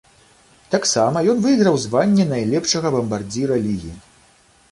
Таксама ён выйграў званне найлепшага бамбардзіра лігі.